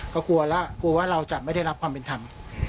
ก็กลัวแล้วกลัวว่าเราจะไม่ได้รับความเป็นธรรม